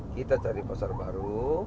kita cari pasar baru